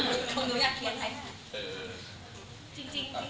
เจอคอมเม้นท์หรือในลูนแรง